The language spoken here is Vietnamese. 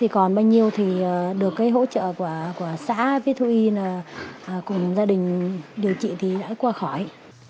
còn bao nhiêu thì được hỗ trợ của xã với thu y cùng gia đình điều trị thì đã qua khỏi